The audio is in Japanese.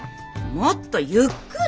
もっとゆっくり！